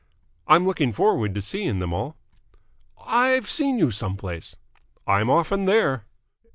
"I'm looking forward to seeing them all." "I've seen you some place." "I'm often there."